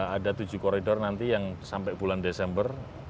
ada tujuh koridor nanti yang sampai bulan desember